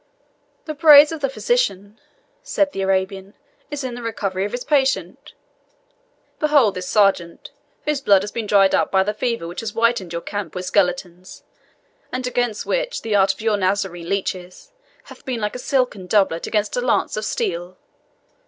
"The praise of the physician," said the Arabian, "is in the recovery of his patient. Behold this sergeant, whose blood has been dried up by the fever which has whitened your camp with skeletons, and against which the art of your Nazarene leeches hath been like a silken doublet against a lance of steel.